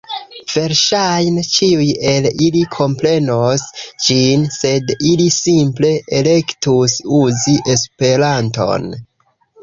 Verŝajne, ĉiuj el ili komprenos ĝin, sed ili simple elektus uzi Esperanton.